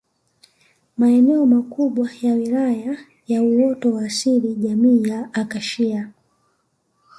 Maeneo makubwa ya Wilaya ya uoto wa asili jamii ya Akashia